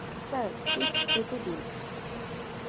Sir, please যেতে দিন।